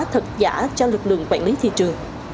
thật giả cho lực lượng quản lý thị trường